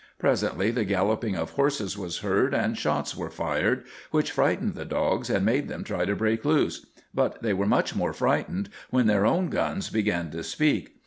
Presently the galloping of horses was heard and shots were fired, which frightened the dogs and made them try to break loose. But they were much more frightened when their own guns began to speak.